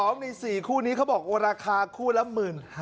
๒นิ้น๔คู่นี้เขาบอกราคาคู่ละ๑๕๐๐๐